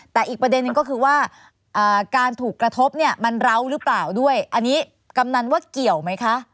แต่อีกประเด็นนึงก็คือว่าการถูกกระทบเนี่ยมันเล้าหรือเปล่าด้วยอันนี้กำนันว่าเกี่ยวไหมคะ